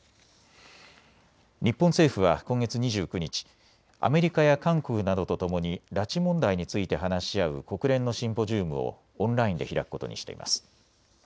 日本政府は今月２９日、アメリカや韓国などとともに拉致問題について話し合う国連のシンポジウムをオンラインで開くことにしています。